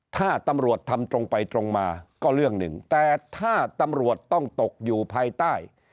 ถ้าตำรวจทำตรงไปตรงมาก็เรื่องหนึ่งแต่ถ้าตำรวจต้องตกอยู่ภายใต้